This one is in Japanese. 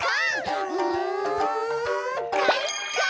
うんかいか！